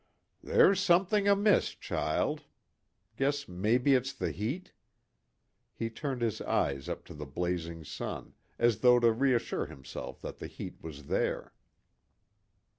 "There's something amiss, child. Guess maybe it's the heat." He turned his eyes up to the blazing sun, as though to reassure himself that the heat was there.